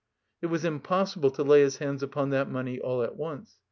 It was impossible to lay his hands upon that money all at once.